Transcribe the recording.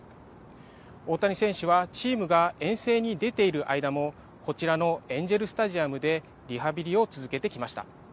大谷選手はチームが遠征に出ている間もこちらのエンジェルスタジアムでリハビリを続けてきました。